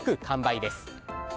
完売です。